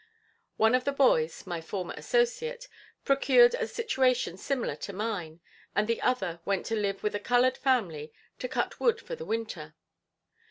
One of the boys (my former associate) procured a situation similar to mine, and the other went to live with a colored family to cut wood for the winter.